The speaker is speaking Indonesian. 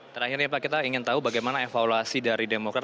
terakhir ya pak kita ingin tahu bagaimana evaluasi dari demokrat